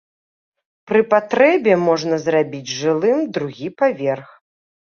Пры патрэбе можна зрабіць жылым другі паверх.